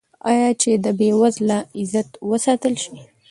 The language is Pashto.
آیا چې د بې وزله عزت وساتل شي؟